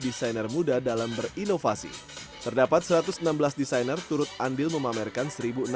desainer muda dalam berinovasi terdapat satu ratus enam belas desainer turut andil memamerkan